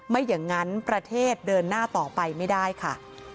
ไม่อย่างนั้นประเทศเดินหน้าต่อไปไม่ได้ค่ะ